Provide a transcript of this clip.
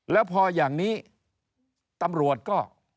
แล้วพออย่างนี้ตำรวจก็